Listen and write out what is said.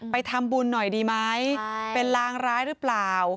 ไปทำบุญหน่อยดีไหมเป็นลางร้ายหรือเปล่า